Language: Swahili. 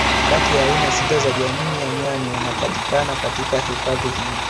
Kati ya aina sita za jamii ya nyani wanapatikana katika hifadhi hii